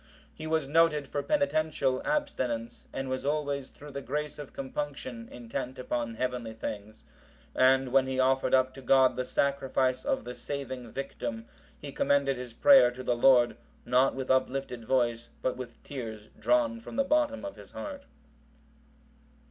He was noted for penitential abstinence, and was always through the grace of compunction, intent upon heavenly things. And when he offered up to God the Sacrifice of the saving Victim, he commended his prayer to the Lord, not with uplifted voice, but with tears drawn from the bottom of his heart.